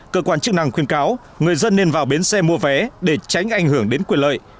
cơ quan chức năng khuyên cáo người dân nên vào bến xe mua vé để tránh ảnh hưởng đến quyền lợi